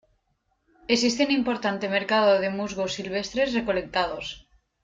Existe un importante mercado de musgos silvestres recolectados.